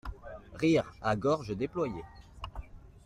Rire à gorge déployée.